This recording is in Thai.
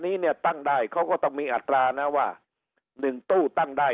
นี้เนี่ยตั้งได้เขาก็ต้องมีอัตรานะว่าหนึ่งตู้ตั้งได้